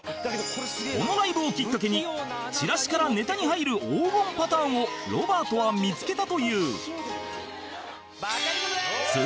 このライブをきっかけにチラシからネタに入る黄金パターンをロバートは見つけたという